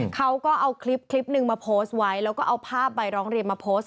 เขาก็เอาคลิปนึงมาโพสต์ไว้แล้วก็เอาภาพใบร้องเรียนมาโพสต์